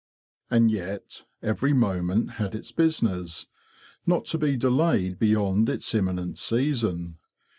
And yet every moment had its business, not to be delayed beyond its imminent season.